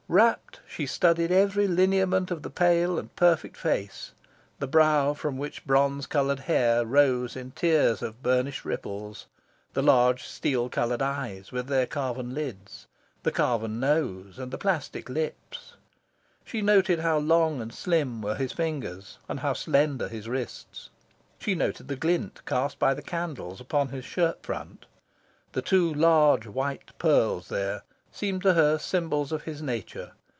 Rapt, she studied every lineament of the pale and perfect face the brow from which bronze coloured hair rose in tiers of burnished ripples; the large steel coloured eyes, with their carven lids; the carven nose, and the plastic lips. She noted how long and slim were his fingers, and how slender his wrists. She noted the glint cast by the candles upon his shirt front. The two large white pearls there seemed to her symbols of his nature.